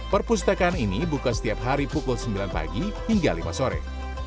perpustakaan ini buka setiap hari pukul sembilan pagi hingga lima sore